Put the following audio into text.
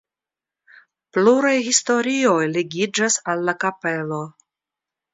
Pluraj historioj ligiĝas al la kapelo.